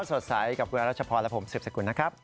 สดใสกับคุณรัชพรและผมสืบสกุลนะครับ